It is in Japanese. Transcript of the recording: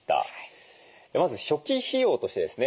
まず初期費用としてですね